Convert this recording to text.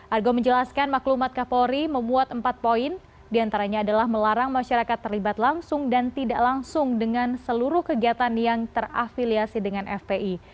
argo menjelaskan maklumat kapolri memuat empat poin diantaranya adalah melarang masyarakat terlibat langsung dan tidak langsung dengan seluruh kegiatan yang terafiliasi dengan fpi